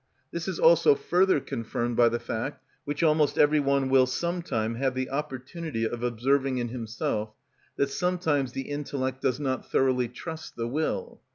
This is also further confirmed by the fact, which almost every one will some time have the opportunity of observing in himself, that sometimes the intellect does not thoroughly trust the will.